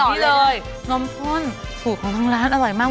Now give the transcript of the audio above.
ต่อเลยน้ำข้นสุดของท้องร้านอร่อยมาก